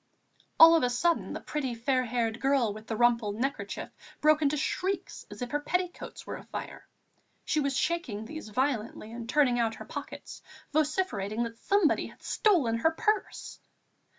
All of a sudden the pretty, fair haired girl with the rumpled neckerchief broke into shrieks as if her petticoats were afire. She was shaking these violently and turning out her pockets, vociferating that somebody had stolen her purse.